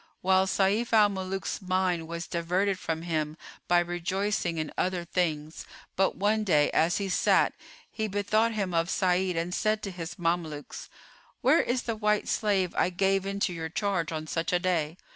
while Sayf al Muluk's mind was diverted from him by rejoicing and other things; but one day, as he sat, he bethought him of Sa'id and said to his Mamelukes, "Where is the white slave I gave into your charge on such a day?"